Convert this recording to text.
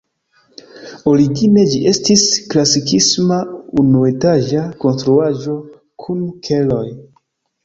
Origine ĝi estis klasikisma unuetaĝa konstruaĵo kun keloj.